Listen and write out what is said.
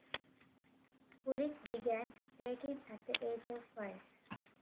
Kulik began skating at the age of five.